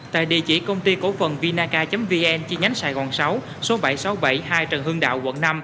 tại địa chỉ công ty cổ phần vinaca vn chi nhánh sài gòn sáu số bảy nghìn sáu trăm bảy mươi hai trần hương đạo quận năm